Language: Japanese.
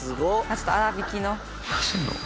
ちょっと粗びきの。